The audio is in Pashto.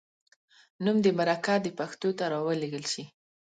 نوم دې مرکه د پښتو ته راولیږل شي.